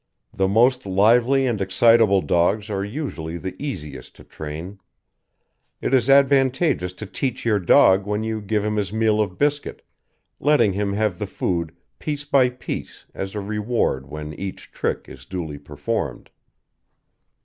The most lively and excitable dogs are usually the easiest to train. It is advantageous to teach your dog when you give him his meal of biscuit, letting him have the food piece by piece as a reward when each trick is duly performed.